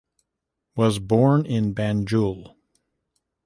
Was born in Banjul.